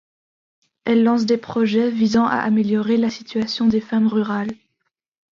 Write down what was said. Elle lance des projets visant à améliorer la situation des femmes rurales.